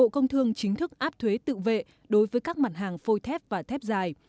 bộ công thương chính thức áp thuế tự vệ đối với các mặt hàng phôi thép và thép dài